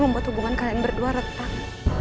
membuat hubungan kalian berdua retak